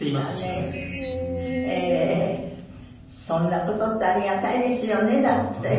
そんな事ってありがたいですよねだって。